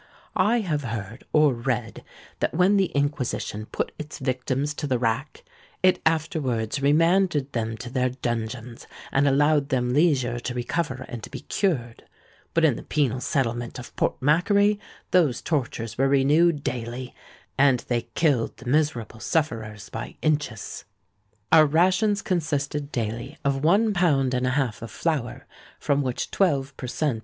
I have heard or read that when the Inquisition put its victims to the rack, it afterwards remanded them to their dungeons, and allowed them leisure to recover and be cured;—but in the penal settlement of Port Macquarie those tortures were renewed daily—and they killed the miserable sufferers by inches! "Our rations consisted daily of one pound and a half of flour, from which twelve per cent.